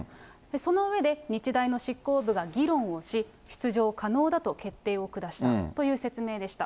その上で、日大の執行部が議論をし、出場可能だと決定を下したという説明でした。